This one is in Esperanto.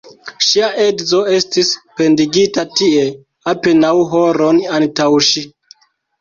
Ŝia edzo estis pendigita tie apenaŭ horon antaŭ ŝi.